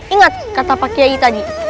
ingat kata pak kiai tadi